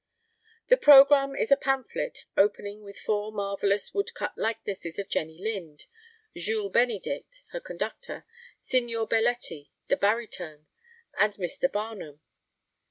The programme is a pamphlet opening with four marvellous wood cut likenesses of Jenny Lind, Jules Benedict, her conductor; Signor Belletti, the barytone, and Mr. Barnum.